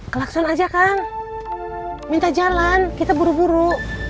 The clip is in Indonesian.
klakson aja kang minta jalan kita buru buru